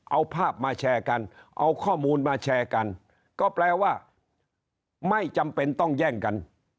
เอาภาพมาแชร์กันเอาข้อมูลมาแชร์กันก็แปลว่าไม่จำเป็นต้องแย่งกัน